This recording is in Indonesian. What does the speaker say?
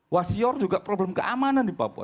wasior juga problem keamanan di papua